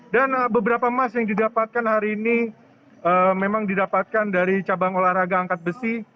dan beberapa emas yang didapatkan hari ini memang didapatkan dari cabang olahraga angkat besi